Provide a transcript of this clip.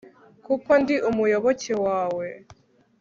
kuko ndi umuyoboke wawe